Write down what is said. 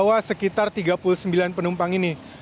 membawa sekitar tiga puluh sembilan penumpang ini